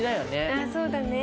あっそうだね。